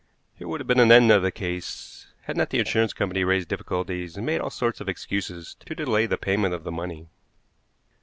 Here would have been an end of the case had not the insurance company raised difficulties and made all sorts of excuses to delay the payment of the money.